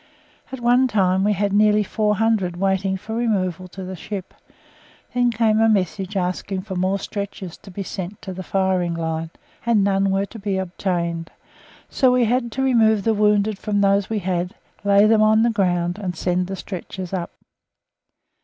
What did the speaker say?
At one time we had nearly four hundred waiting for removal to the ship. Then came a message asking for more stretchers to be sent to the firing line, and none were to be obtained; so we just had to remove the wounded from those we had, lay them on the ground, and send the stretchers up.